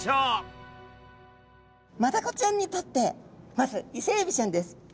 マダコちゃんにとってまずイセエビちゃんです。